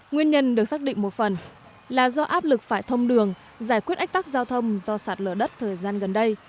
nguyên nhân được xác định một phần là do áp lực phải thông đường giải quyết ách tắc giao thông do sạt lở đất thời gian gần đây